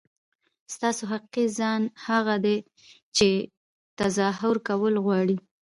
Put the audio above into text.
ستاسو حقیقي ځان هغه دی چې تظاهر کول غواړي.